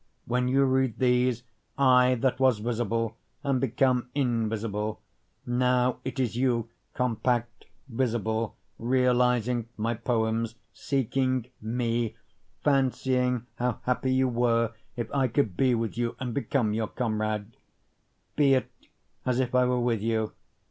When you read these I that was visible am become invisible, Now it is you, compact, visible, realizing my poems, seeking me, Fancying how happy you were if I could be with you and become your comrade; Be it as if I were with you.